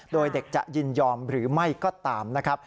โดยเด็กจะยินยอมหรือไม่ก็ตามนะครับ